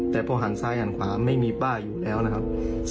แต่พอหันซ้ายหันขวาไม่มีป้ายอยู่แล้วนะครับ